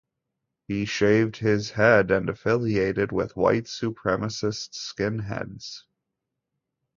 He shaved his head and affiliated with white supremacist Skinheads.